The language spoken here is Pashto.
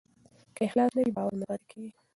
که اخلاص نه وي، باور نه پاتې کېږي.